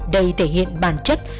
đây thể hiện bản chất